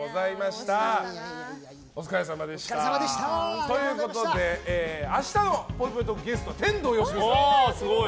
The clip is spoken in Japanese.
お疲れさまでした。ということで明日のぽいぽいトークのゲストは天童よしみさんです。